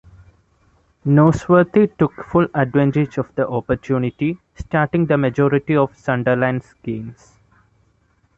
Nosworthy took full advantage of the opportunity, starting the majority of Sunderland's games.